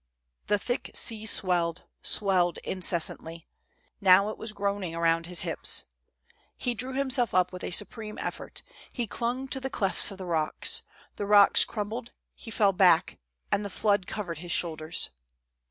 The thick sea swelled, swelled incessantly ; now, it was groaning around his hips. He drew himself up with a supreme effort, he clung to the clefts of the rocks ; the rocks crumbled, he fell back, and the flood covered his shoulders.